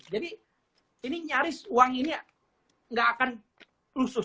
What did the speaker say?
jadi ini nyaris uang ini nggak akan lusuh